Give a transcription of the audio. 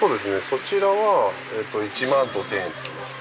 そちらは１万と１０００円付きます。